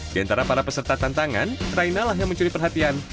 di antara para peserta tantangan raina lah yang mencuri perhatian